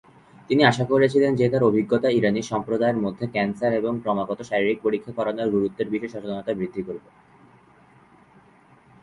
তিনি আশা করেছিলেন যে তার অভিজ্ঞতা ইরানি সম্প্রদায়ের মধ্যে ক্যান্সার এবং ক্রমাগত শারীরিক পরীক্ষা করানোর গুরুত্বের বিষয়ে সচেতনতা বৃদ্ধি করবে।